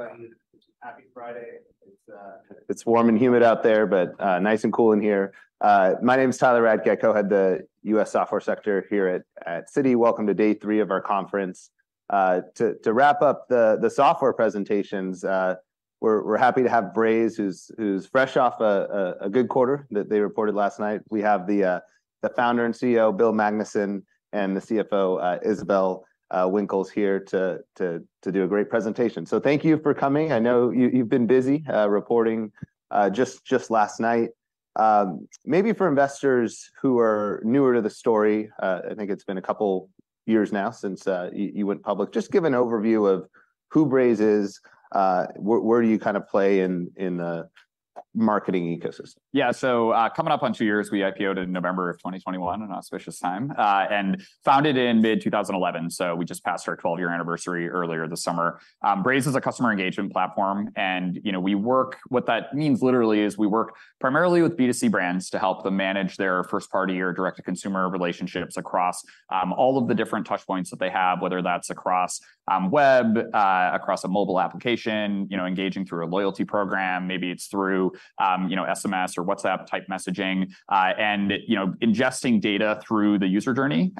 Everybody, happy Friday! It's warm and humid out there, but nice and cool in here. My name is Tyler Radke, co-head of the U.S. Software Sector here at Citi. Welcome to day three of our conference. To wrap up the software presentations, we're happy to have Braze, who's fresh off a good quarter that they reported last night. We have the founder and CEO, Bill Magnuson, and the CFO, Isabelle Winkles here to do a great presentation. So thank you for coming. I know you've been busy reporting just last night. Maybe for investors who are newer to the story, I think it's been a couple years now since you went public, just give an overview of who Braze is, where do you kind of play in the marketing ecosystem? Yeah, so, coming up on two years. We IPO'd in November 2021, an auspicious time, and founded in mid-2011, so we just passed our 12-year anniversary earlier this summer. Braze is a customer engagement platform, and, you know, we work. What that means literally is we work primarily with B2C brands to help them manage their first-party or direct-to-consumer relationships across all of the different touchpoints that they have, whether that's across web, across a mobile application, you know, engaging through a loyalty program, maybe it's through, you know, SMS or WhatsApp-type messaging. And, you know, ingesting data through the user journey,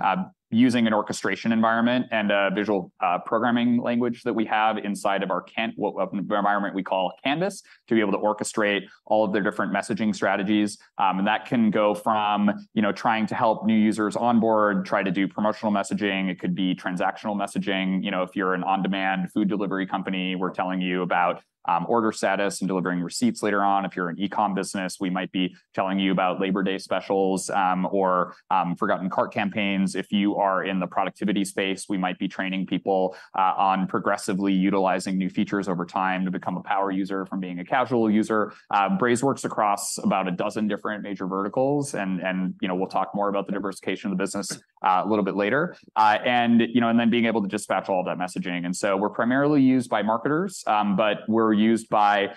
using an orchestration environment and a visual programming language that we have inside of our, the environment we call Canvas, to be able to orchestrate all of their different messaging strategies. And that can go from, you know, trying to help new users onboard, try to do promotional messaging, it could be transactional messaging. You know, if you're an on-demand food delivery company, we're telling you about order status and delivering receipts later on. If you're an e-com business, we might be telling you about Labor Day specials, or forgotten cart campaigns. If you are in the productivity space, we might be training people on progressively utilizing new features over time to become a power user from being a casual user. Braze works across about a dozen different major verticals and, you know, we'll talk more about the diversification of the business a little bit later. And, you know, and then being able to dispatch all that messaging. So we're primarily used by marketers, but we're used by,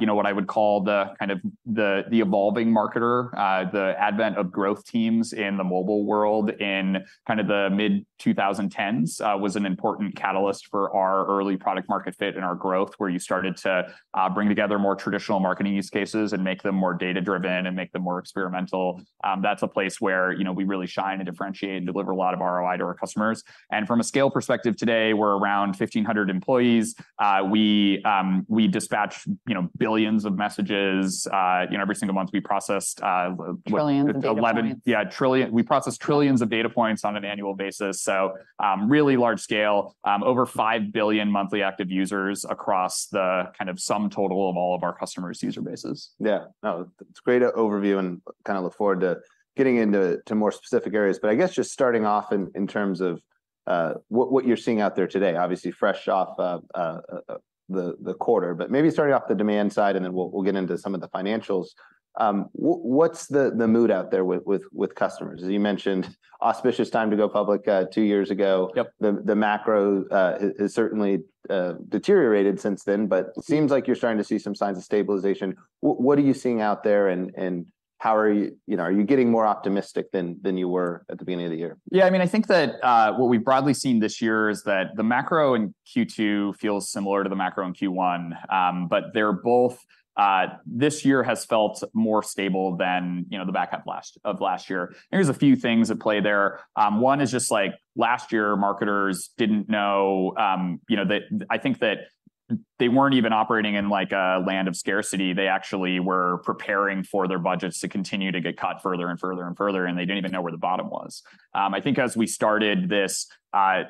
you know, what I would call the kind of evolving marketer. The advent of growth teams in the mobile world in kind of the mid-2010s was an important catalyst for our early product market fit and our growth, where you started to bring together more traditional marketing use cases and make them more data-driven and make them more experimental. That's a place where, you know, we really shine and differentiate and deliver a lot of ROI to our customers. And from a scale perspective, today, we're around 1,500 employees. We dispatch, you know, billions of messages. You know, every single month we process, Trillions of data points. Eleven... Yeah, trillion. We process trillions of data points on an annual basis, so, really large scale. Over five billion monthly active users across the kind of sum total of all of our customers' user bases. Yeah. No, it's a great overview, and kind of look forward to getting into to more specific areas. But I guess just starting off in terms of what you're seeing out there today, obviously fresh off the quarter, but maybe starting off the demand side, and then we'll get into some of the financials. What’s the mood out there with customers? As you mentioned, auspicious time to go public two years ago. Yep. The macro has certainly deteriorated since then, but- Mm... it seems like you're starting to see some signs of stabilization. What are you seeing out there, and how are you... You know, are you getting more optimistic than you were at the beginning of the year? Yeah, I mean, I think that what we've broadly seen this year is that the macro in Q2 feels similar to the macro in Q1. But they're both, this year has felt more stable than, you know, the back half of last year. There's a few things at play there. One is just like, last year, marketers didn't know, you know, that I think that they weren't even operating in, like, a land of scarcity. They actually were preparing for their budgets to continue to get cut further and further and further, and they didn't even know where the bottom was. I think as we started this,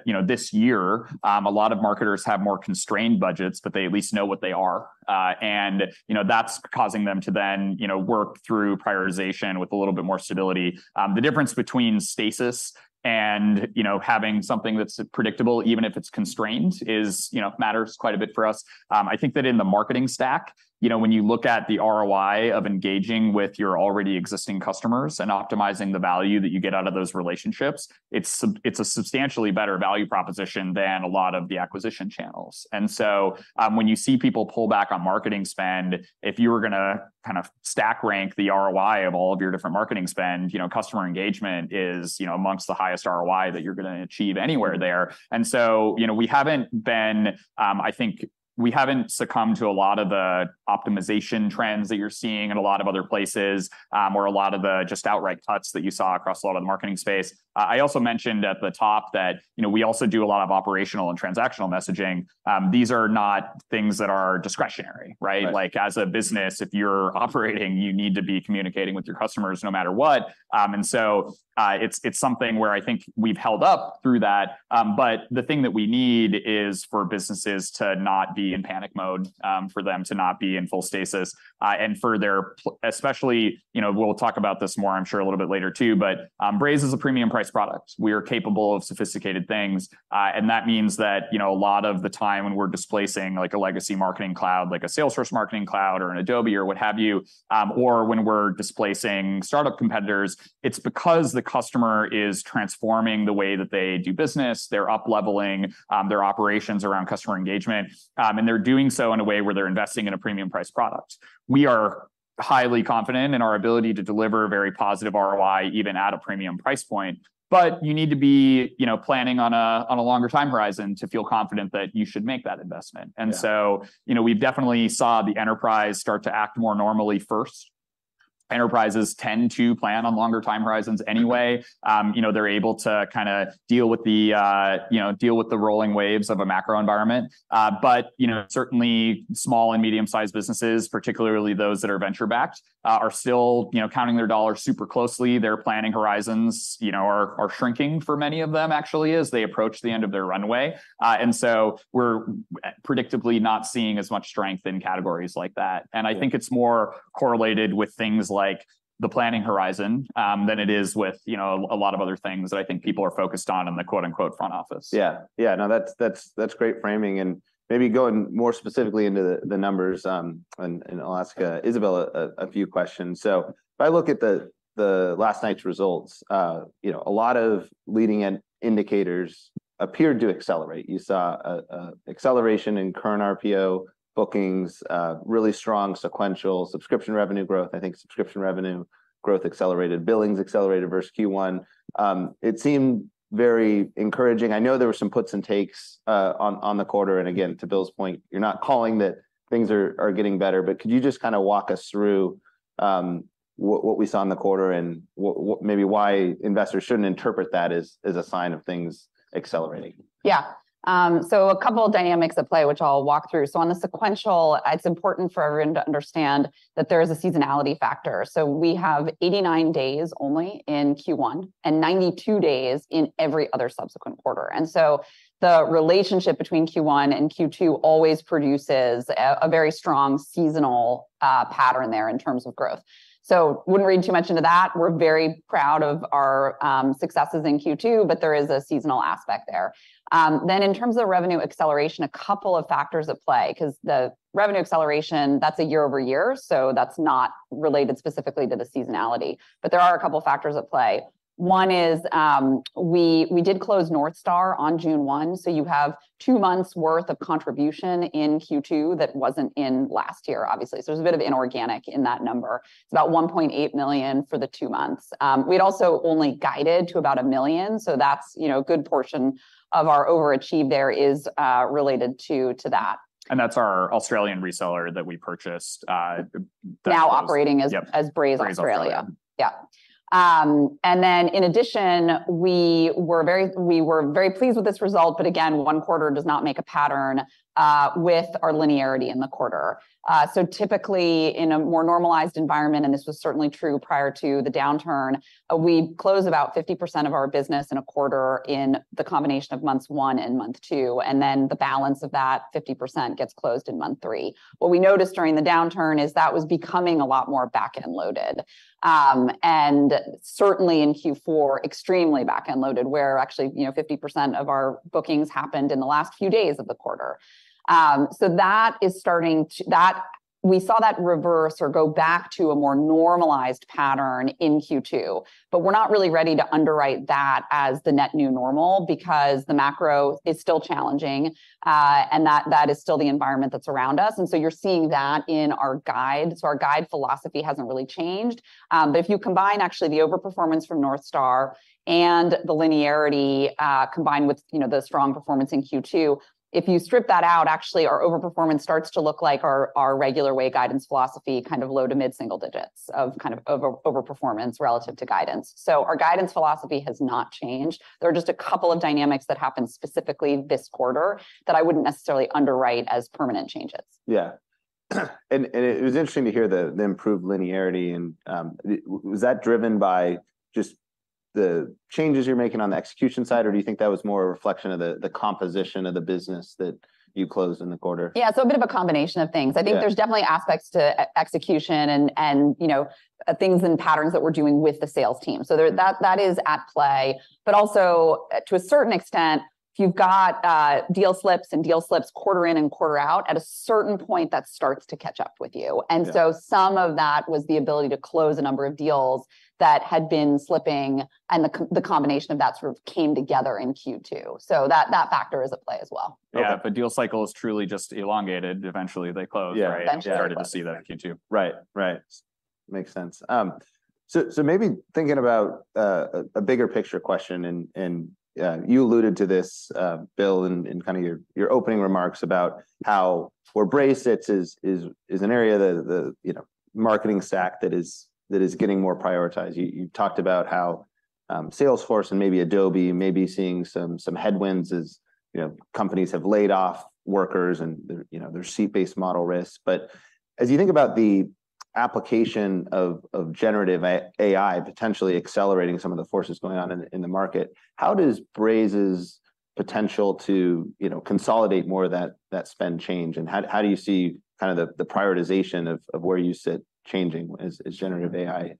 you know, this year, a lot of marketers have more constrained budgets, but they at least know what they are. And, you know, that's causing them to then, you know, work through prioritization with a little bit more stability. The difference between stasis and, you know, having something that's predictable, even if it's constrained, is, you know, matters quite a bit for us. I think that in the marketing stack, you know, when you look at the ROI of engaging with your already existing customers and optimizing the value that you get out of those relationships, it's a substantially better value proposition than a lot of the acquisition channels. And so, when you see people pull back on marketing spend, if you were gonna kind of stack rank the ROI of all of your different marketing spend, you know, customer engagement is, you know, amongst the highest ROI that you're gonna achieve anywhere there. So, you know, we haven't been, I think we haven't succumbed to a lot of the optimization trends that you're seeing in a lot of other places, or a lot of the just outright cuts that you saw across a lot of the marketing space. I also mentioned at the top that, you know, we also do a lot of operational and transactional messaging. These are not things that are discretionary, right? Right. Like, as a business, if you're operating, you need to be communicating with your customers no matter what. And so, it's something where I think we've held up through that. But the thing that we need is for businesses to not be in panic mode, for them to not be in full stasis, and for their... Especially, you know, we'll talk about this more, I'm sure, a little bit later too, but, Braze is a premium price product. We are capable of sophisticated things. And that means that, you know, a lot of the time when we're displacing, like, a legacy marketing cloud, like a Salesforce Marketing Cloud or an Adobe or what have you, or when we're displacing startup competitors, it's because the customer is transforming the way that they do business. They're upleveling their operations around customer engagement, and they're doing so in a way where they're investing in a premium price product. We are highly confident in our ability to deliver a very positive ROI, even at a premium price point. But you need to be, you know, planning on a longer time horizon to feel confident that you should make that investment. Yeah. And so, you know, we've definitely saw the enterprise start to act more normally first. Enterprises tend to plan on longer time horizons anyway. You know, they're able to kinda deal with the you know rolling waves of a macro environment. But, you know, certainly small and medium-sized businesses, particularly those that are venture-backed, are still, you know, counting their dollars super closely. Their planning horizons, you know, are shrinking for many of them, actually, as they approach the end of their runway. And so we're predictably not seeing as much strength in categories like that. Yeah. I think it's more correlated with things like the planning horizon than it is with, you know, a lot of other things that I think people are focused on in the "front office." Yeah. No, that's great framing. And maybe going more specifically into the numbers, and I'll ask Isabelle a few questions. So if I look at the last night's results, you know, a lot of leading indicators appeared to accelerate. You saw an acceleration in current RPO bookings, really strong sequential subscription revenue growth. I think subscription revenue growth accelerated, billings accelerated versus Q1. It seemed very encouraging. I know there were some puts and takes on the quarter, and again, to Bill's point, you're not calling that things are getting better, but could you just kinda walk us through what we saw in the quarter and what maybe why investors shouldn't interpret that as a sign of things accelerating? Yeah. So a couple of dynamics at play, which I'll walk through. So on the sequential, it's important for everyone to understand that there is a seasonality factor. So we have 89 days only in Q1 and 92 days in every other subsequent quarter. And so the relationship between Q1 and Q2 always produces a very strong seasonal pattern there in terms of growth. So wouldn't read too much into that. We're very proud of our successes in Q2, but there is a seasonal aspect there. Then in terms of revenue acceleration, a couple of factors at play, 'cause the revenue acceleration, that's a year over year, so that's not related specifically to the seasonality. But there are a couple of factors at play. One is, we did close North Star on June 1, so you have two months' worth of contribution in Q2 that wasn't in last year, obviously. So there's a bit of inorganic in that number. It's about $1.8 million for the two months. We'd also only guided to about $1 million, so that's, you know, a good portion of our overachieve there is related to that. That's our Australian reseller that we purchased. Now operating as- Yep... as Braze Australia. Braze Australia. Yeah. And then in addition, we were very- we were very pleased with this result, but again, one quarter does not make a pattern with our linearity in the quarter. So typically in a more normalized environment, and this was certainly true prior to the downturn, we close about 50% of our business in a quarter in the combination of months one and month two, and then the balance of that 50% gets closed in month three. What we noticed during the downturn is that was becoming a lot more back-end loaded. And certainly in Q4, extremely back-end loaded, where actually, you know, 50% of our bookings happened in the last few days of the quarter. So that is starting to... We saw that reverse or go back to a more normalized pattern in Q2, but we're not really ready to underwrite that as the net new normal because the macro is still challenging, and that, that is still the environment that's around us, and so you're seeing that in our guide. So our guide philosophy hasn't really changed. But if you combine actually the overperformance from North Star and the linearity, combined with, you know, the strong performance in Q2, if you strip that out, actually, our overperformance starts to look like our, our regular way guidance philosophy, kind of low to mid-single digits of kind of over-overperformance relative to guidance. So our guidance philosophy has not changed. There are just a couple of dynamics that happened specifically this quarter, that I wouldn't necessarily underwrite as permanent changes. Yeah. And it was interesting to hear the improved linearity and was that driven by just the changes you're making on the execution side, or do you think that was more a reflection of the composition of the business that you closed in the quarter? Yeah, so a bit of a combination of things. Yeah. I think there's definitely aspects to execution and, you know, things and patterns that we're doing with the sales team. So that is at play, but also, to a certain extent, if you've got deal slips, quarter in and quarter out, at a certain point, that starts to catch up with you. Yeah. And so some of that was the ability to close a number of deals that had been slipping, and the combination of that sort of came together in Q2. So that, that factor is at play as well. Yeah, but deal cycle is truly just elongated. Eventually, they close, right? Yeah, yeah. Eventually. We started to see that in Q2. Right. Right. Makes sense. So, maybe thinking about a bigger picture question, and you alluded to this, Bill, in kinda your opening remarks about how, where Braze sits is an area that the, you know, marketing stack that is getting more prioritised. You talked about how, Salesforce and maybe Adobe may be seeing some headwinds as, you know, companies have laid off workers and their seat-based model risks. But as you think about the application of generative AI potentially accelerating some of the forces going on in the market, how does Braze's potential to, you know, consolidate more of that spend change? And how do you see kind of the prioritisation of where you sit changing as generative AI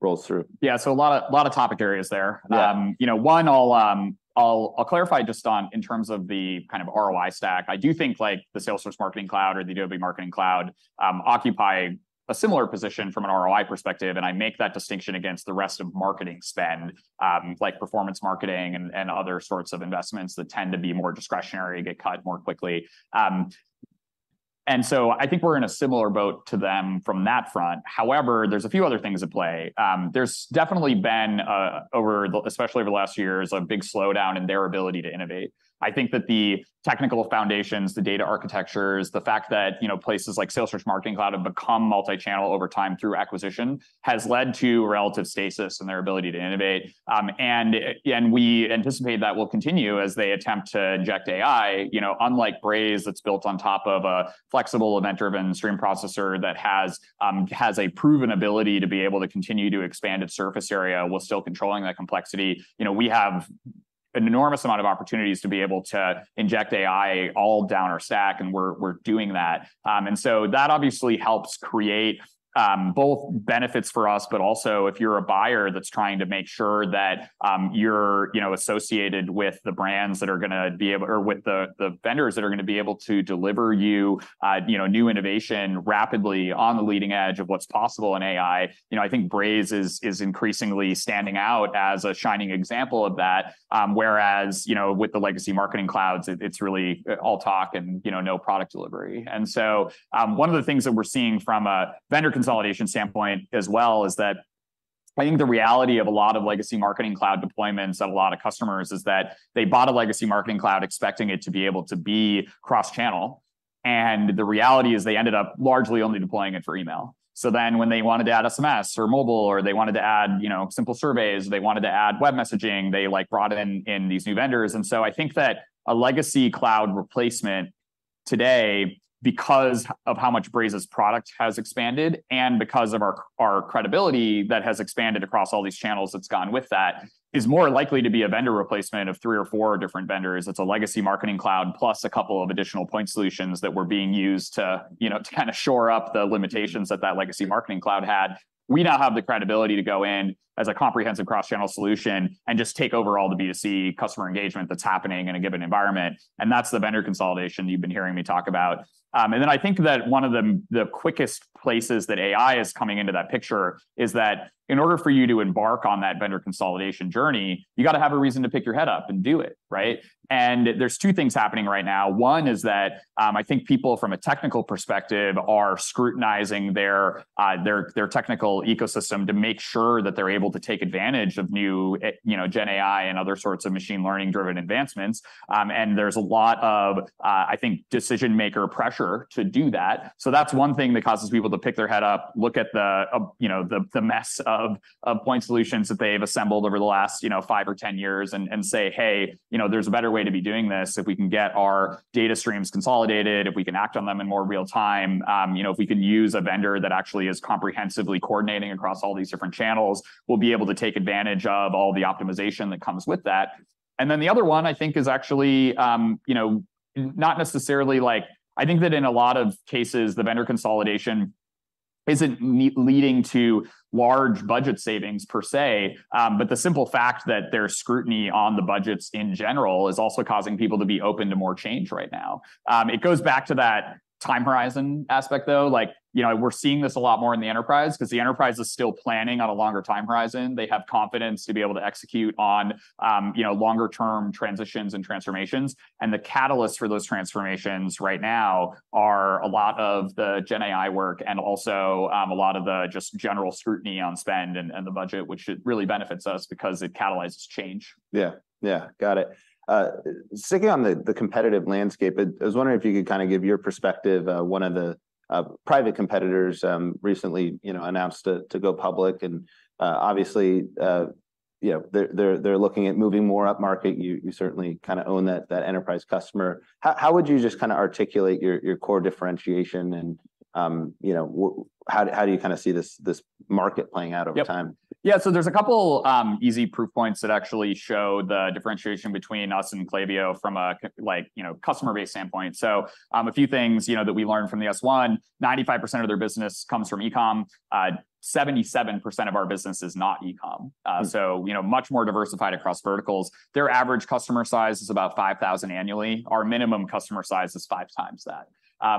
rolls through? Yeah, so a lot of topic areas there. Yeah. You know, one, I'll clarify just on, in terms of the kind of ROI stack. I do think, like, the Salesforce Marketing Cloud or the Adobe Marketing Cloud occupy a similar position from an ROI perspective, and I make that distinction against the rest of marketing spend, like performance marketing and other sorts of investments that tend to be more discretionary, get cut more quickly. And so I think we're in a similar boat to them from that front. However, there's a few other things at play. There's definitely been, especially over the last years, a big slowdown in their ability to innovate. I think that the technical foundations, the data architectures, the fact that, you know, places like Salesforce Marketing Cloud have become multi-channel over time through acquisition, has led to relative stasis in their ability to innovate. And we anticipate that will continue as they attempt to inject AI. You know, unlike Braze, that's built on top of a flexible event-driven stream processor that has a proven ability to be able to continue to expand its surface area while still controlling that complexity. You know, we have an enormous amount of opportunities to be able to inject AI all down our stack, and we're doing that. And so that obviously helps create both benefits for us, but also, if you're a buyer that's trying to make sure that you're, you know, associated with the brands that are gonna be or with the vendors that are gonna be able to deliver you, you know, new innovation rapidly on the leading edge of what's possible in AI, you know, I think Braze is increasingly standing out as a shining example of that. Whereas, you know, with the legacy marketing clouds, it's really all talk and, you know, no product delivery. And so, one of the things that we're seeing from a vendor consolidation standpoint as well, is that I think the reality of a lot of legacy marketing cloud deployments at a lot of customers is that they bought a legacy marketing cloud expecting it to be able to be cross-channel, and the reality is they ended up largely only deploying it for email. So then, when they wanted to add SMS or mobile, or they wanted to add, you know, simple surveys, they wanted to add web messaging, they, like, brought in these new vendors. And so I think that a legacy cloud replacement today, because of how much Braze's product has expanded, and because of our credibility that has expanded across all these channels that's gone with that, is more likely to be a vendor replacement of three or four different vendors. It's a legacy marketing cloud, plus a couple of additional point solutions that were being used to, you know, to kinda shore up the limitations that that legacy marketing cloud had. We now have the credibility to go in as a comprehensive cross-channel solution and just take over all the B2C customer engagement that's happening in a given environment, and that's the vendor consolidation you've been hearing me talk about. And then I think that one of the quickest places that AI is coming into that picture is that in order for you to embark on that vendor consolidation journey, you've got to have a reason to pick your head up and do it, right? And there's two things happening right now. One is that, I think people from a technical perspective are scrutinizing their technical ecosystem to make sure that they're able to take advantage of new, you know, GenAI and other sorts of machine learning-driven advancements. And there's a lot of, I think, decision-maker pressure to do that. So that's one thing that causes people to pick their head up, look at the, you know, the mess of point solutions that they've assembled over the last, you know, five or 10 years and say, "Hey, you know, there's a better way to be doing this. If we can get our data streams consolidated, if we can act on them in more real time, you know, if we can use a vendor that actually is comprehensively coordinating across all these different channels, we'll be able to take advantage of all the optimization that comes with that." And then the other one, I think is actually, you know, not necessarily. I think that in a lot of cases, the vendor consolidation isn't merely leading to large budget savings per se, but the simple fact that there's scrutiny on the budgets in general is also causing people to be open to more change right now. It goes back to that time horizon aspect, though, like, you know, we're seeing this a lot more in the enterprise because the enterprise is still planning on a longer time horizon. They have confidence to be able to execute on, you know, longer-term transitions and transformations, and the catalyst for those transformations right now are a lot of the GenAI work and also, a lot of the just general scrutiny on spend and the budget, which it really benefits us because it catalyzes change. Yeah. Yeah, got it. Sticking on the competitive landscape, I was wondering if you could kinda give your perspective. One of the private competitors recently, you know, announced to go public and obviously, you know, they're looking at moving more upmarket. You certainly kinda own that enterprise customer. How would you just kinda articulate your core differentiation and, you know, how do you kinda see this market playing out over time? Yep. Yeah, so there's a couple easy proof points that actually show the differentiation between us and Klaviyo from a customer base standpoint. So, a few things, you know, that we learned from the S-1, 95% of their business comes from e-com. 77% of our business is not e-com. Mm. So, you know, much more diversified across verticals. Their average customer size is about $5,000 annually. Our minimum customer size is five times that.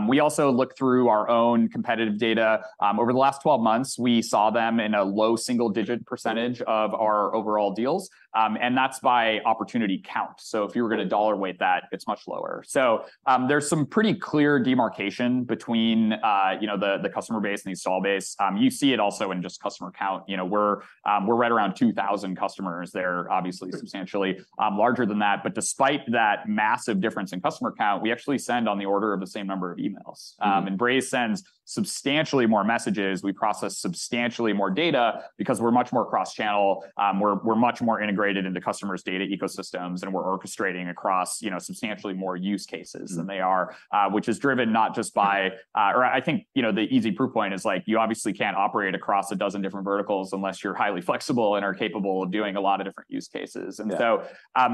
We also look through our own competitive data. Over the last 12 months, we saw them in a low single-digit percentage of our overall deals, and that's by opportunity count. So if you were gonna dollar weight that, it's much lower. So, there's some pretty clear demarcation between, you know, the customer base and the install base. You see it also in just customer count. You know, we're right around 2,000 customers. They're obviously substantially larger than that, but despite that massive difference in customer count, we actually send on the order of the same number of emails. Mm. and Braze sends substantially more messages. We process substantially more data because we're much more cross-channel. We're much more integrated into customers' data ecosystems, and we're orchestrating across, you know, substantially more use cases- Mm... than they are, which is driven not just by, or I think, you know, the easy proof point is, like, you obviously can't operate across a dozen different verticals unless you're highly flexible and are capable of doing a lot of different use cases. Yeah. And so,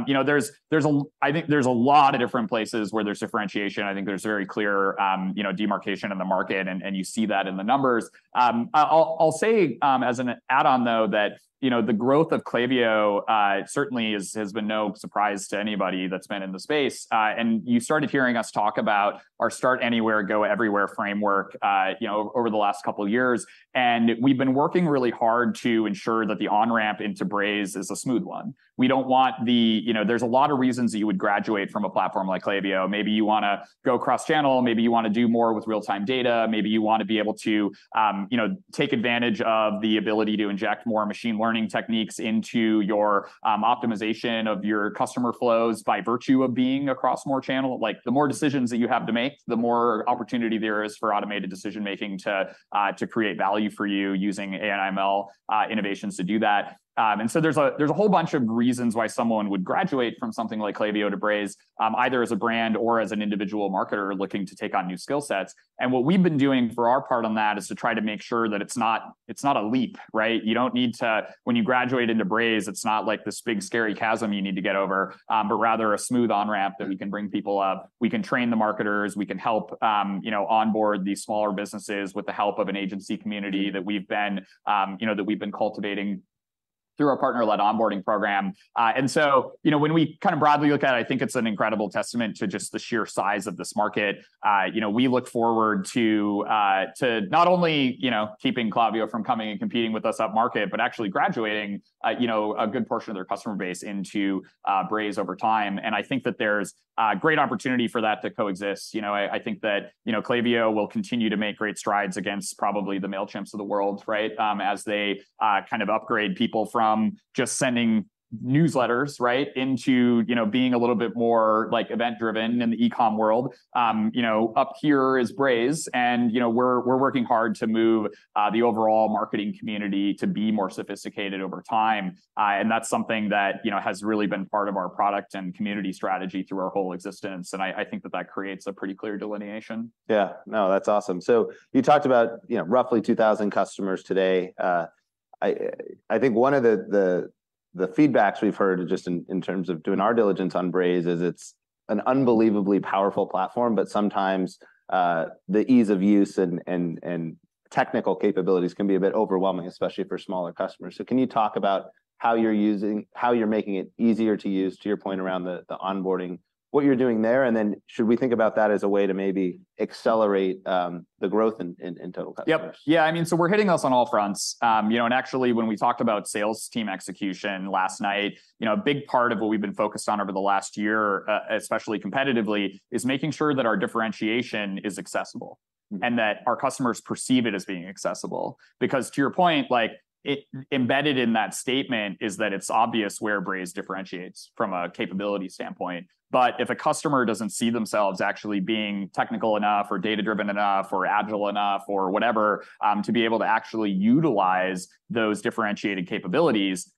you know, there's a lot of different places where there's differentiation. I think there's very clear, you know, demarcation in the market, and you see that in the numbers. I'll say, as an add-on, though, that, you know, the growth of Klaviyo certainly has been no surprise to anybody that's been in the space. And you started hearing us talk about our Start Anywhere, Go Everywhere framework, you know, over the last couple of years, and we've been working really hard to ensure that the on-ramp into Braze is a smooth one. We don't want, you know, there's a lot of reasons that you would graduate from a platform like Klaviyo. Maybe you wanna go cross-channel, maybe you wanna do more with real-time data, maybe you wanna be able to, you know, take advantage of the ability to inject more machine learning techniques into your, optimization of your customer flows by virtue of being across more channel. Like, the more decisions that you have to make, the more opportunity there is for automated decision-making to, to create value for you, using AI, ML, innovations to do that. And so there's a, there's a whole bunch of reasons why someone would graduate from something like Klaviyo to Braze, either as a brand or as an individual marketer looking to take on new skill sets. And what we've been doing for our part on that is to try to make sure that it's not, it's not a leap, right? You don't need to... When you graduate into Braze, it's not like this big, scary chasm you need to get over, but rather a smooth on-ramp that we can bring people up. We can train the marketers, we can help, you know, onboard these smaller businesses with the help of an agency community that we've been, you know, that we've been cultivating through our partner-led onboarding program. And so, you know, when we kind of broadly look at it, I think it's an incredible testament to just the sheer size of this market. You know, we look forward to, to not only, you know, keeping Klaviyo from coming and competing with us upmarket, but actually graduating, you know, a good portion of their customer base into, Braze over time. And I think that there's great opportunity for that to coexist. You know, I think that, you know, Klaviyo will continue to make great strides against probably the Mailchimps of the world, right? As they kind of upgrade people from just sending newsletters, right, into, you know, being a little bit more like event-driven in the e-com world. You know, up here is Braze, and, you know, we're working hard to move the overall marketing community to be more sophisticated over time. And that's something that, you know, has really been part of our product and community strategy through our whole existence, and I think that that creates a pretty clear delineation. Yeah. No, that's awesome. So you talked about, you know, roughly 2,000 customers today. I think one of the feedbacks we've heard just in terms of doing our diligence on Braze is it's an unbelievably powerful platform, but sometimes the ease of use and technical capabilities can be a bit overwhelming, especially for smaller customers. So can you talk about how you're using-how you're making it easier to use, to your point around the onboarding, what you're doing there, and then should we think about that as a way to maybe accelerate the growth in total customers? Yep. Yeah, I mean, so we're hitting this on all fronts. You know, and actually, when we talked about sales team execution last night, you know, a big part of what we've been focused on over the last year, especially competitively, is making sure that our differentiation is accessible- Mm-hmm... and that our customers perceive it as being accessible. Because to your point, like, it embedded in that statement is that it's obvious where Braze differentiates from a capability standpoint. But if a customer doesn't see themselves actually being technical enough or data-driven enough or agile enough or whatever, to be able to actually utilize those differentiated capabilities,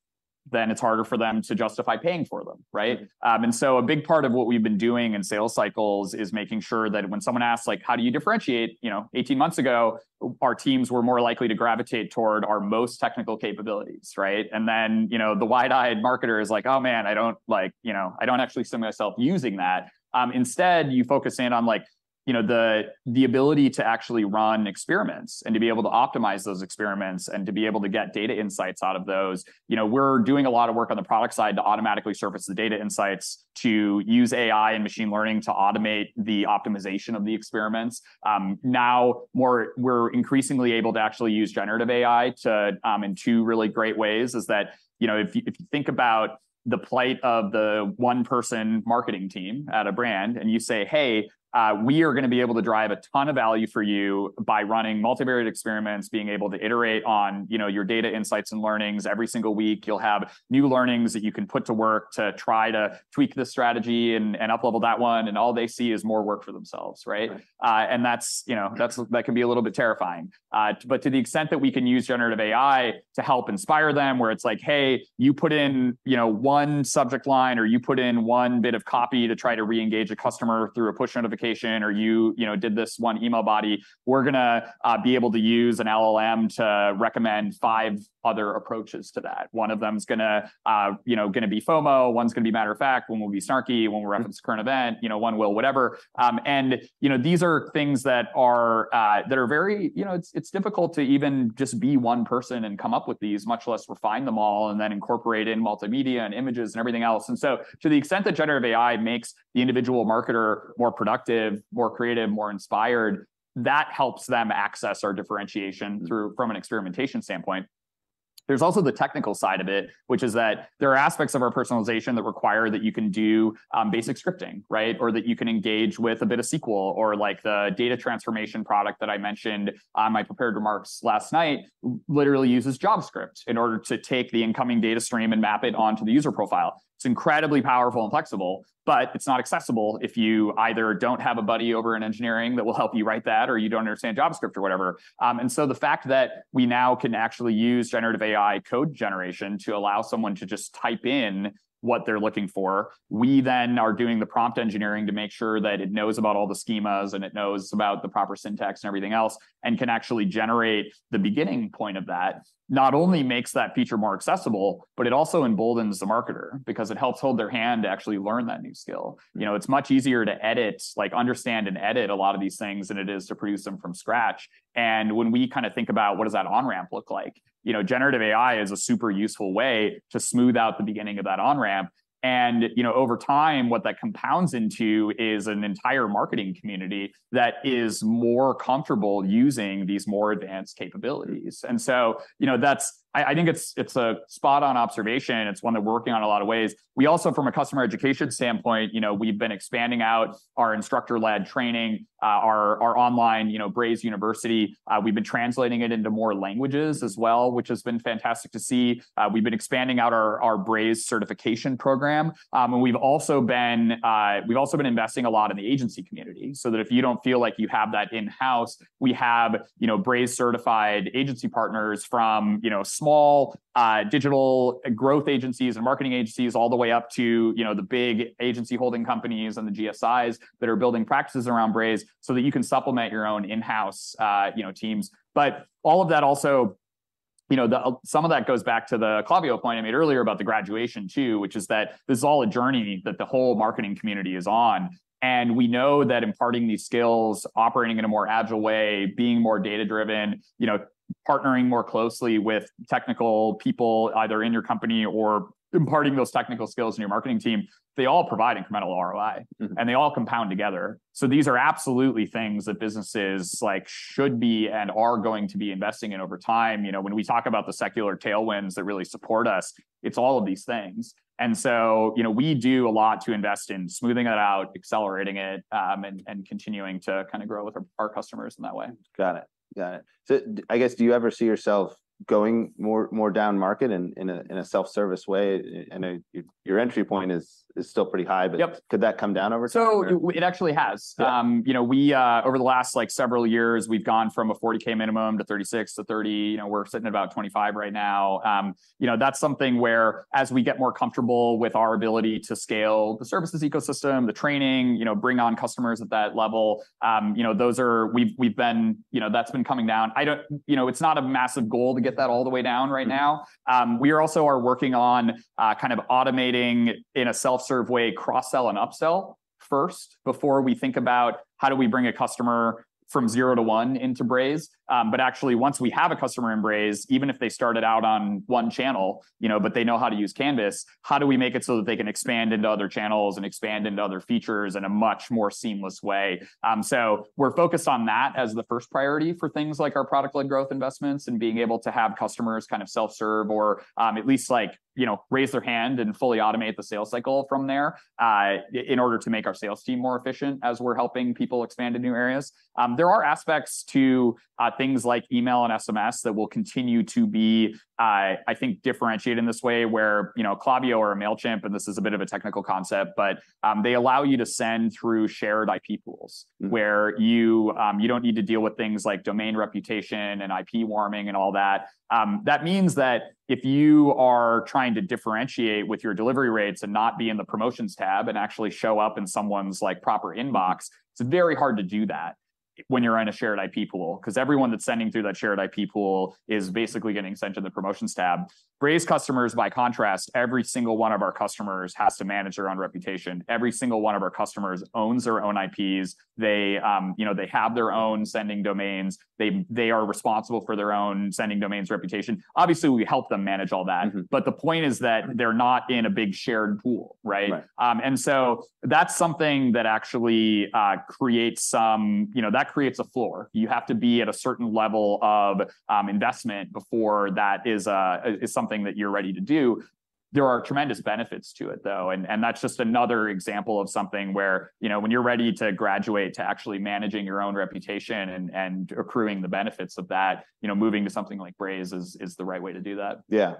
then it's harder for them to justify paying for them, right? Right. and so a big part of what we've been doing in sales cycles is making sure that when someone asks, like, "How do you differentiate?" You know, 18 months ago, our teams were more likely to gravitate toward our most technical capabilities, right? And then, you know, the wide-eyed marketer is like: "Oh, man, I don't like... You know, I don't actually see myself using that." Instead, you focus in on, like, you know, the, the ability to actually run experiments and to be able to optimize those experiments and to be able to get data insights out of those. You know, we're doing a lot of work on the product side to automatically surface the data insights, to use AI and machine learning to automate the optimization of the experiments. Now, we're increasingly able to actually use generative AI to in two really great ways, is that, you know, if you, if you think about the plight of the one-person marketing team at a brand, and you say, "Hey, we are going to be able to drive a ton of value for you by running multivariate experiments, being able to iterate on, you know, your data insights and learnings. Every single week, you'll have new learnings that you can put to work to try to tweak this strategy and uplevel that one." And all they see is more work for themselves, right? Right. and that's, you know- Mm. That can be a little bit terrifying. But to the extent that we can use generative AI to help inspire them, where it's like: Hey, you put in, you know, one subject line, or you put in one bit of copy to try to re-engage a customer through a push notification, or you, you know, did this one email body. We're going to be able to use an LLM to recommend five other approaches to that. One of them's going to, you know, going to be FOMO, one's going to be matter-of-fact, one will be snarky, one will reference a current event, you know, one will whatever. You know, these are things that are, that are very—you know, it's, it's difficult to even just be one person and come up with these, much less refine them all and then incorporate in multimedia and images and everything else. So to the extent that generative AI makes the individual marketer more productive, more creative, more inspired, that helps them access our differentiation- Mm... through from an experimentation standpoint. There's also the technical side of it, which is that there are aspects of our personalization that require that you can do basic scripting, right? Or that you can engage with a bit of SQL, or like the data transformation product that I mentioned on my prepared remarks last night, literally uses JavaScript in order to take the incoming data stream and map it onto the user profile. It's incredibly powerful and flexible, but it's not accessible if you either don't have a buddy over in engineering that will help you write that, or you don't understand JavaScript or whatever. And so the fact that we now can actually use generative AI code generation to allow someone to just type in what they're looking for, we then are doing the prompt engineering to make sure that it knows about all the schemas, and it knows about the proper syntax and everything else, and can actually generate the beginning point of that, not only makes that feature more accessible, but it also emboldens the marketer because it helps hold their hand to actually learn that new skill. Mm. You know, it's much easier to edit, like, understand and edit a lot of these things than it is to produce them from scratch. And when we kind of think about, what does that on-ramp look like? You know, generative AI is a super useful way to smooth out the beginning of that on-ramp. And, you know, over time, what that compounds into is an entire marketing community that is more comfortable using these more advanced capabilities. Mm. And so, you know, that's... I think it's a spot-on observation. It's one that we're working on a lot of ways. We also, from a customer education standpoint, you know, we've been expanding out our instructor-led training, our online, you know, Braze University. We've been expanding out our Braze certification program. And we've also been, we've also been investing a lot in the agency community, so that if you don't feel like you have that in-house, we have, you know, Braze-certified agency partners from, you know, small, digital growth agencies and marketing agencies, all the way up to, you know, the big agency holding companies and the GSIs that are building practices around Braze so that you can supplement your own in-house, you know, teams. But all of that also, you know, some of that goes back to the Klaviyo point I made earlier about the graduation, too, which is that this is all a journey that the whole marketing community is on. And we know that imparting these skills, operating in a more agile way, being more data-driven, you know... Partnering more closely with technical people, either in your company or imparting those technical skills in your marketing team, they all provide incremental ROI. Mm-hmm. They all compound together. These are absolutely things that businesses, like, should be and are going to be investing in over time. You know, when we talk about the secular tailwinds that really support us, it's all of these things. You know, we do a lot to invest in smoothing it out, accelerating it, and continuing to kind of grow with our customers in that way. Got it. Got it. So I guess, do you ever see yourself going more downmarket in a self-service way? And your entry point is still pretty high, but- Yep. Could that come down over time? So it actually has. Yeah? You know, we over the last, like, several years, we've gone from a $40K minimum to $36K to $30K, you know, we're sitting at about $25K right now. You know, that's something where, as we get more comfortable with our ability to scale the services ecosystem, the training, you know, bring on customers at that level, you know, those are. We've been, you know, that's been coming down. I don't, you know, it's not a massive goal to get that all the way down right now. We are also working on kind of automating, in a self-serve way, cross-sell and upsell first, before we think about how do we bring a customer from zero to one into Braze. But actually, once we have a customer in Braze, even if they started out on one channel, you know, but they know how to use Canvas, how do we make it so that they can expand into other channels and expand into other features in a much more seamless way? So we're focused on that as the first priority for things like our product-led growth investments and being able to have customers kind of self-serve or, at least like, you know, raise their hand and fully automate the sales cycle from there, in order to make our sales team more efficient as we're helping people expand to new areas. There are aspects to things like email and SMS that will continue to be, I think, differentiated in this way, where, you know, Klaviyo or a Mailchimp, and this is a bit of a technical concept, but they allow you to send through shared IP pools- Mm. where you don't need to deal with things like domain reputation and IP warming, and all that. That means that if you are trying to differentiate with your delivery rates and not be in the promotions tab and actually show up in someone's, like, proper inbox, it's very hard to do that when you're in a shared IP pool, 'cause everyone that's sending through that shared IP pool is basically getting sent to the promotions tab. Braze customers, by contrast, every single one of our customers has to manage their own reputation. Every single one of our customers owns their own IPs. They, you know, they have their own sending domains. They, they are responsible for their own sending domains reputation. Obviously, we help them manage all that. Mm-hmm. But the point is that they're not in a big shared pool, right? Right. And so that's something that actually creates some... You know, that creates a floor. You have to be at a certain level of investment before that is something that you're ready to do. There are tremendous benefits to it, though, and that's just another example of something where, you know, when you're ready to graduate to actually managing your own reputation and accruing the benefits of that, you know, moving to something like Braze is the right way to do that. Yeah.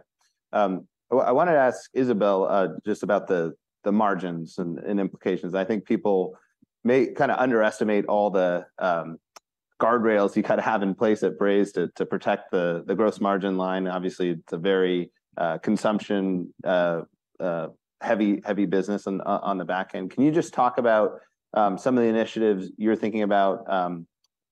Well, I wanted to ask Isabelle, just about the, the margins and, and implications. I think people may kind of underestimate all the, guardrails you kind of have in place at Braze to, to protect the, the gross margin line. Obviously, it's a very, consumption, heavy, heavy business on the, on the back end. Can you just talk about, some of the initiatives you're thinking about,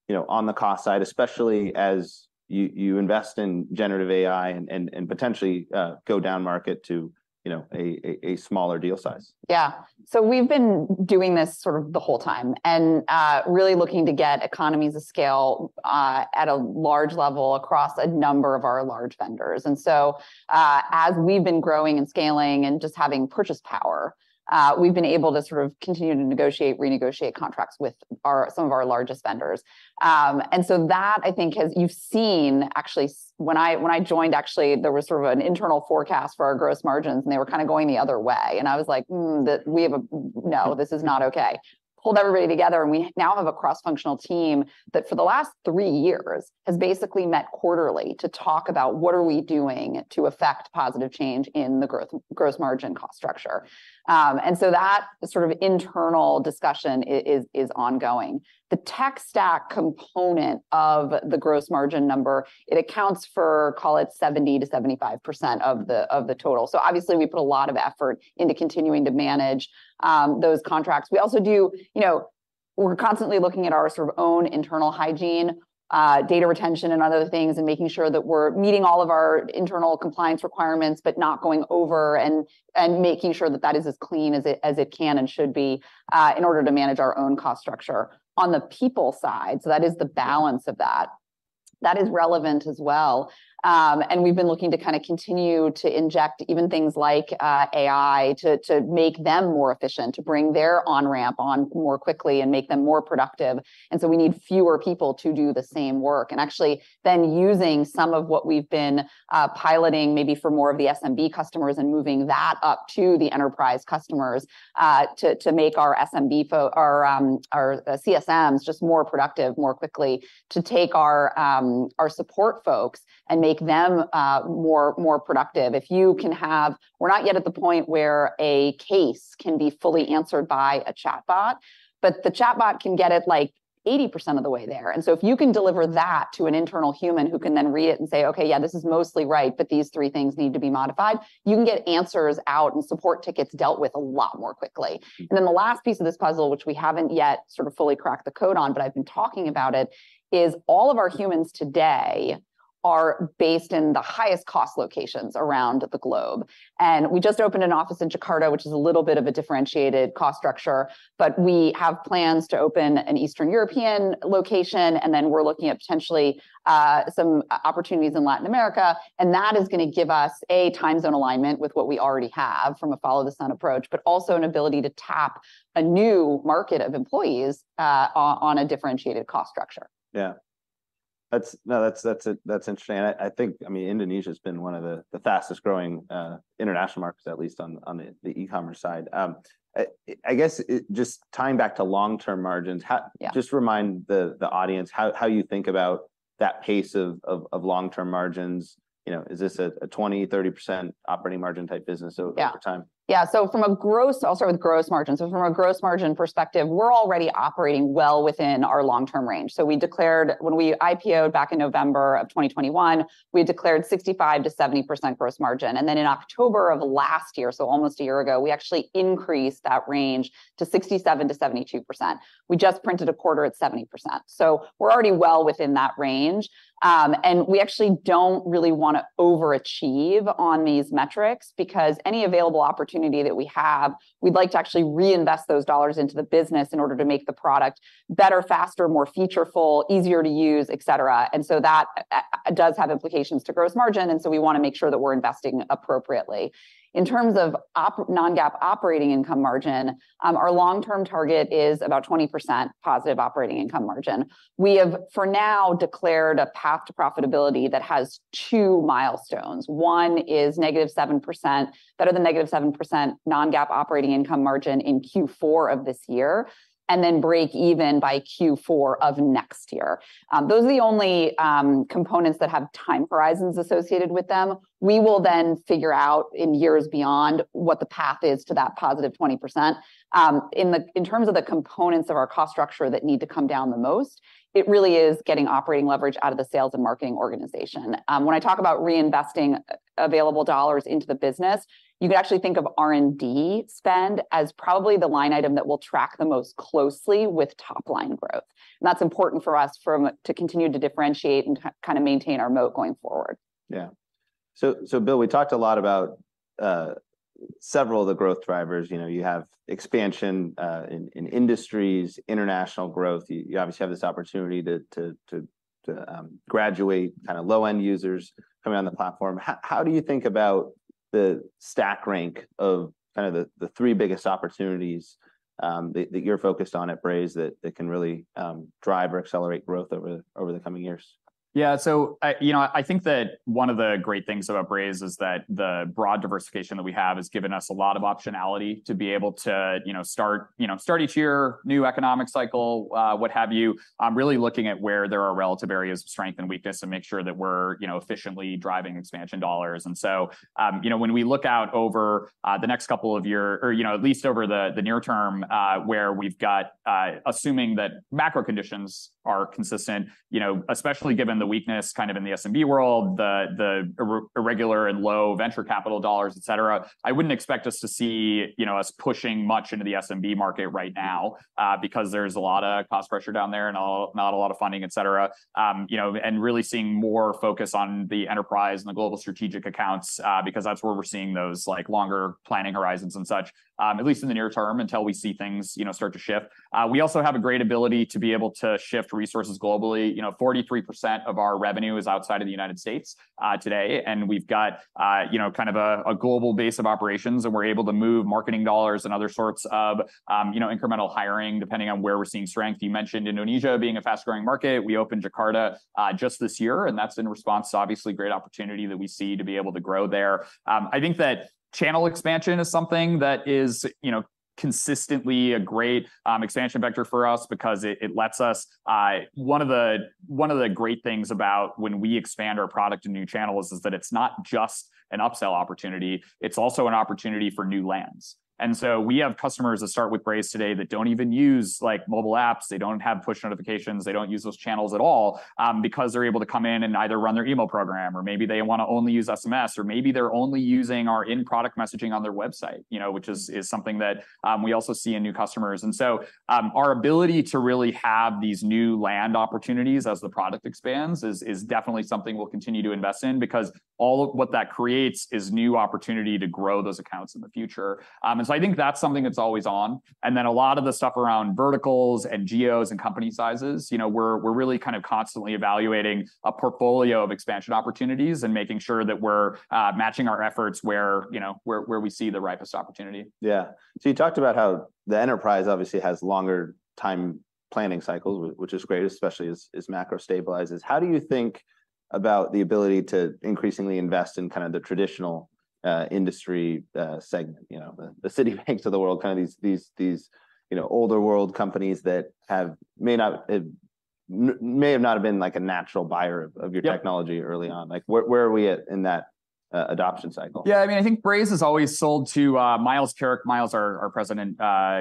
you know, on the cost side, especially as you, you invest in generative AI and, and, and potentially, go downmarket to, you know, a smaller deal size? Yeah. So we've been doing this sort of the whole time, and really looking to get economies of scale at a large level across a number of our large vendors. And so, as we've been growing and scaling and just having purchase power, we've been able to sort of continue to negotiate, renegotiate contracts with our- some of our largest vendors. And so that, I think, as you've seen, actually when I, when I joined, actually, there was sort of an internal forecast for our gross margins, and they were kind of going the other way. And I was like, "Mm, that we have a... No, this is not okay." Pulled everybody together, and we now have a cross-functional team that, for the last three years, has basically met quarterly to talk about what are we doing to effect positive change in the gross margin cost structure. And so that sort of internal discussion is ongoing. The tech stack component of the gross margin number, it accounts for, call it, 70% to 75% of the total. So obviously, we put a lot of effort into continuing to manage those contracts. We also do... You know, we're constantly looking at our, sort of, own internal hygiene, data retention, and other things, and making sure that we're meeting all of our internal compliance requirements, but not going over, and making sure that that is as clean as it can and should be, in order to manage our own cost structure. On the people side, so that is the balance of that. That is relevant as well. We've been looking to kind of continue to inject even things like AI to make them more efficient, to bring their on-ramp on more quickly and make them more productive. And so we need fewer people to do the same work. Actually, then, using some of what we've been piloting, maybe for more of the SMB customers, and moving that up to the enterprise customers, to make our SMB for our CSMs just more productive more quickly, to take our support folks and make them more productive. If you can have... We're not yet at the point where a case can be fully answered by a chatbot, but the chatbot can get it, like, 80% of the way there. So if you can deliver that to an internal human, who can then read it and say, "Okay, yeah, this is mostly right, but these three things need to be modified," you can get answers out and support tickets dealt with a lot more quickly. Mm. And then the last piece of this puzzle, which we haven't yet sort of fully cracked the code on, but I've been talking about it, is all of our humans today are based in the highest cost locations around the globe. And we just opened an office in Jakarta, which is a little bit of a differentiated cost structure, but we have plans to open an Eastern European location, and then we're looking at potentially some opportunities in Latin America, and that is gonna give us, A, time zone alignment with what we already have from a follow the sun approach, but also an ability to tap a new market of employees on a differentiated cost structure. Yeah. That's interesting. I think, I mean, Indonesia's been one of the fastest growing international markets, at least on the e-commerce side. I guess just tying back to long-term margins, how- Yeah. Just remind the audience how you think about that pace of long-term margins. You know, is this a 20%, 30% operating margin type business over- Yeah -time? Yeah, so from a gross... I'll start with gross margin. So from a gross margin perspective, we're already operating well within our long-term range. So we declared- when we IPO-ed back in November of 2021, we declared 65% to 70% gross margin, and then in October of last year, so almost a year ago, we actually increased that range to 67%-72%. We just printed a quarter at 70%, so we're already well within that range. And we actually don't really wanna overachieve on these metrics, because any available opportunity that we have, we'd like to actually reinvest those dollars into the business in order to make the product better, faster, more featureful, easier to use, et cetera. And so that does have implications to gross margin, and so we wanna make sure that we're investing appropriately. In terms of non-GAAP operating income margin, our long-term target is about 20% positive operating income margin. We have, for now, declared a path to profitability that has two milestones. One is -7%, better than -7% non-GAAP operating income margin in Q4 of this year, and then break even by Q4 of next year. Those are the only components that have time horizons associated with them. We will then figure out in years beyond what the path is to that positive 20%. In terms of the components of our cost structure that need to come down the most, it really is getting operating leverage out of the sales and marketing organization. When I talk about reinvesting available dollars into the business, you can actually think of R&D spend as probably the line item that we'll track the most closely with top-line growth. And that's important for us from to continue to differentiate and kinda maintain our moat going forward. Yeah. So, so Bill, we talked a lot about several of the growth drivers. You know, you have expansion in industries, international growth. You obviously have this opportunity to graduate kinda low-end users coming on the platform. How do you think about the stack rank of kind of the three biggest opportunities that you're focused on at Braze that can really drive or accelerate growth over the coming years? Yeah, so I, you know, I think that one of the great things about Braze is that the broad diversification that we have has given us a lot of optionality to be able to, you know, start, you know, start each year, new economic cycle, what have you, really looking at where there are relative areas of strength and weakness to make sure that we're, you know, efficiently driving expansion dollars. And so, you know, when we look out over the next couple of years or, you know, at least over the near term, where we've got, assuming that macro conditions are consistent, you know, especially given the weakness kind of in the SMB world, the irregular and low venture capital dollars, et cetera, I wouldn't expect us to see, you know, us pushing much into the SMB market right now, because there's a lot of cost pressure down there and not a lot of funding, et cetera. You know, and really seeing more focus on the enterprise and the global strategic accounts, because that's where we're seeing those, like, longer planning horizons and such, at least in the near term, until we see things, you know, start to shift. We also have a great ability to be able to shift resources globally. You know, 43% of our revenue is outside of the United States today, and we've got, you know, kind of a global base of operations, and we're able to move marketing dollars and other sorts of, you know, incremental hiring, depending on where we're seeing strength. You mentioned Indonesia being a fast-growing market. We opened Jakarta just this year, and that's in response to, obviously, great opportunity that we see to be able to grow there. I think that channel expansion is something that is, you know, consistently a great expansion vector for us because it lets us... One of the great things about when we expand our product to new channels is that it's not just an upsell opportunity, it's also an opportunity for new lands. And so we have customers that start with Braze today that don't even use, like, mobile apps. They don't have push notifications. They don't use those channels at all, because they're able to come in and either run their email program, or maybe they wanna only use SMS, or maybe they're only using our in-product messaging on their website, you know, which is something that we also see in new customers. And so, our ability to really have these new land opportunities as the product expands is definitely something we'll continue to invest in, because all of what that creates is new opportunity to grow those accounts in the future. And so I think that's something that's always on. And then a lot of the stuff around verticals and geos and company sizes, you know, we're really kind of constantly evaluating a portfolio of expansion opportunities and making sure that we're matching our efforts where, you know, we see the ripest opportunity. Yeah. So you talked about how the enterprise obviously has longer time planning cycles, which is great, especially as macro stabilizes. How do you think about the ability to increasingly invest in kind of the traditional industry segment? You know, the Citis of the world, kind of these older world companies that may not have been, like, a natural buyer of, Yep -your technology early on. Like, where, where are we at in that adoption cycle? Yeah, I mean, I think Braze has always sold to... Myles Kleeger, Myles, our President,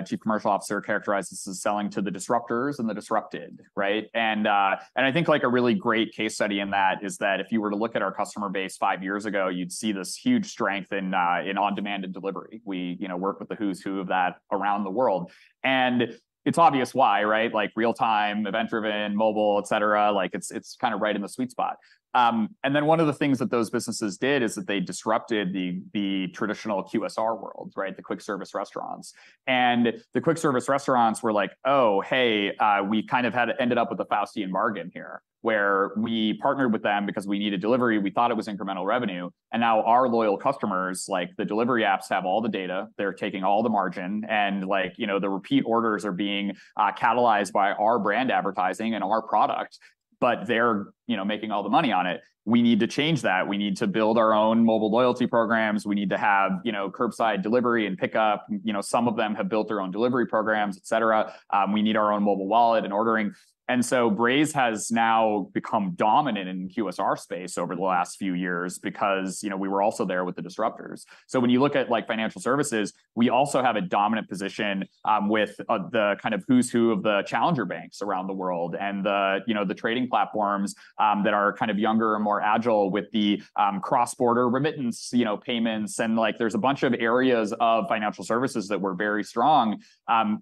Chief Commercial Officer, characterizes this as selling to the disruptors and the disrupted, right? And I think, like, a really great case study in that is that if you were to look at our customer base five years ago, you'd see this huge strength in on-demand and delivery. We, you know, work with the who's who of that around the world, and it's obvious why, right? Like, real-time, event-driven, mobile, et cetera, like, it's kind of right in the sweet spot. And then one of the things that those businesses did is that they disrupted the traditional QSR world, right? The quick-service restaurants. The quick-service restaurants were like, "Oh, hey, we kind of had ended up with a Faustian bargain here," where we partnered with them because we needed delivery. We thought it was incremental revenue, and now our loyal customers, like the delivery apps, have all the data, they're taking all the margin, and, like, you know, the repeat orders are being catalyzed by our brand advertising and our product, but they're, you know, making all the money on it. We need to change that. We need to build our own mobile loyalty programs. We need to have, you know, curbside delivery and pickup. You know, some of them have built their own delivery programs, et cetera. We need our own mobile wallet and ordering. And so Braze has now become dominant in the QSR space over the last few years because, you know, we were also there with the disruptors. So when you look at, like, financial services, we also have a dominant position with the kind of who's who of the challenger banks around the world and the, you know, the trading platforms that are kind of younger and more agile with the cross-border remittance, you know, payments. And, like, there's a bunch of areas of financial services that we're very strong.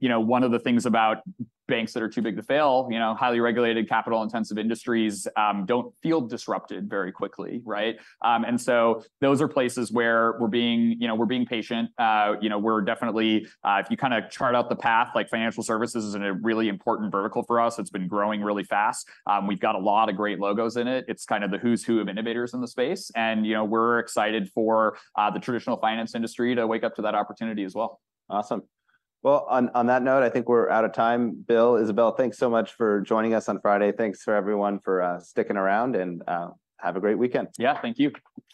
You know, one of the things about banks that are too big to fail, you know, highly regulated, capital-intensive industries don't feel disrupted very quickly, right? And so those are places where we're being, you know, we're being patient. You know, we're definitely, if you kinda chart out the path, like, financial services is a really important vertical for us. It's been growing really fast. We've got a lot of great logos in it. It's kind of the who's who of innovators in the space, and, you know, we're excited for the traditional finance industry to wake up to that opportunity as well. Awesome. Well, on that note, I think we're out of time. Bill, Isabelle, thanks so much for joining us on Friday. Thanks for everyone for sticking around, and have a great weekend. Yeah, thank you.